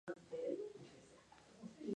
Pero las cosas no saldrán como ellos pensaban.